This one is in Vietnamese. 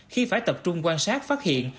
khi phải tập trung quan sát phát hiện